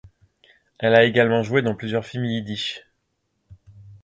Elle a également joué dans plusieurs films yiddish.